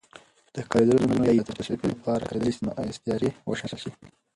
د کارېدلو لفظونو يا يې د توصيف لپاره کارېدلې استعارې وشنل شي